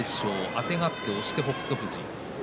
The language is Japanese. あてがって押して北勝富士。